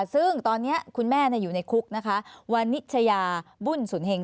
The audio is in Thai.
ซึ่งตอนนี้คุณแม่อยู่ในคุกนะคะวันนิชยาบุญสุนเฮง